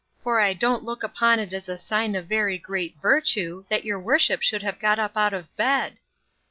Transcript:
for I don't look upon it as a sign of very great virtue that your worship should have got up out of bed."